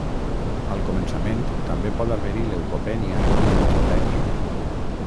Al començament també pot haver-hi leucopènia i neutropènia.